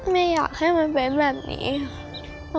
ไม่อยากให้มันเป็นแบบนี้ค่ะ